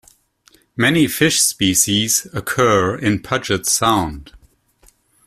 Many fish species occur in Puget Sound.